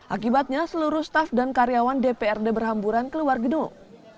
akibatnya seluruh staff dan karyawan dprd berhamburan keluar gedung